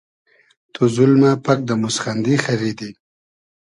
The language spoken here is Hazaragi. تو زولمۂ پئگ دۂ موسخیندی خئریدی